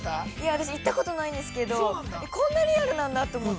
◆私行ったことないんですけれども、こんなリアルなんだと思って。